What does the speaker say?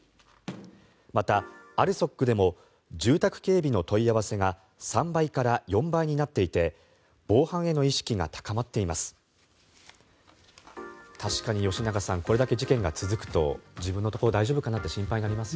また、ＡＬＳＯＫでも住宅警備の問い合わせが３倍から４倍になっていて防犯への意識が高まっています。